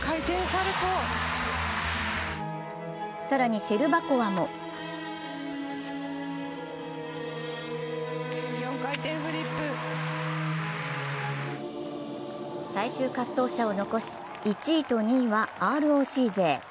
更にシェルバコワも最終滑走者を残し１位と２位はＲＯＣ勢。